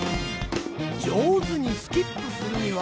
じょうずにスキップするには。